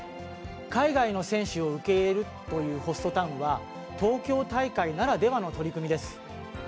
海外の選手を受け入れるというホストタウンは東京大会ならではの取り組みです。